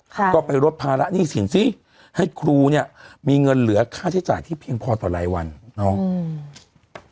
ก็ไปรดภาระหนี้สินซิให้ครูมีเงินเหลือค่าใช้จ่ายที่เพียงพอต่อรายวันเนอะ